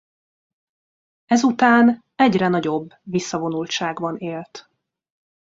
Ezután egyre nagyobb visszavonultságban élt.